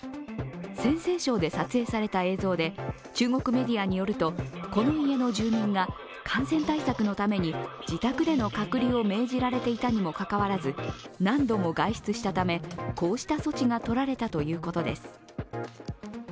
陜西省で撮影された映像で、中国メディアによるとこの家の住民が感染対策のために自宅での隔離を命じられていたにもかかわらず、何度も外出したため、こうした措置が取られたということです。